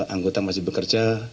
anggota masih bekerja